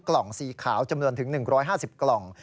กล่องสีขาวจำนวนถึง๑๕๐กล่อง